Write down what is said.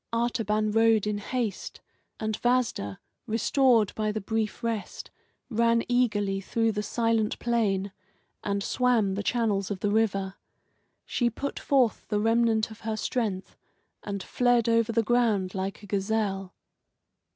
Artaban rode in haste, and Vasda, restored by the brief rest, ran eagerly through the silent plain and swam the channels of the river. She put forth the remnant of her strength, and fled over the ground like a gazelle.